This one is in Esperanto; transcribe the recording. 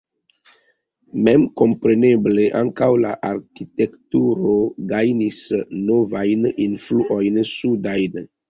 Memkompreneble ankaŭ la arkitekturo gajnis novajn influojn sudajn.